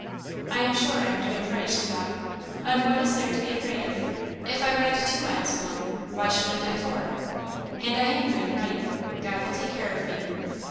"I am sure I am doing right," she thought; "and what is there to be afraid of? If I ride two miles alone, why shouldn't I four? And I am doing right God will take care of me."